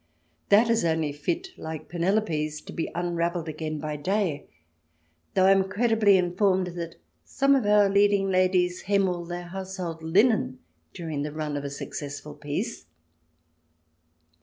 That is only fit, like Penelope's, to be unravelled again by day, though I am credibly informed that some of our leading ladies hem all their household linen during the run of a successful piece